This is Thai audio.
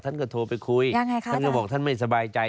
ท่านก็โทรไปคุยท่านก็บอกท่านไม่สบายใจ